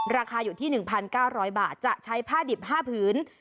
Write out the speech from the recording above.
ราคาอยู่ที่๑๙๐๐บาทจะใช้ผ้าดิบ๕ผืน